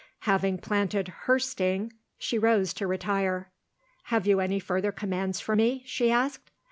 Having planted her sting, she rose to retire. "Have you any further commands for me?" she asked.